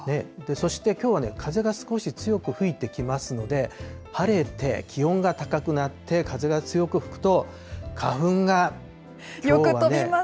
そして、きょうはね、風が少し強く吹いてきますので、晴れて気温が高くなって風が強く吹くと、花粉がきょうはね。